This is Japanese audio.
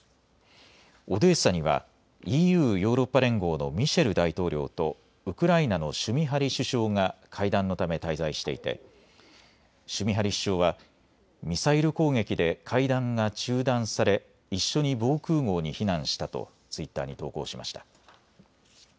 オデーサにはＥＵ・ヨーロッパ連合のミシェル大統領とウクライナのシュミハリ首相が会談のため滞在していてシュミハリ首相はミサイル攻撃で会談が中断され一緒に防空ごうに避難したとツイッターに投稿しました。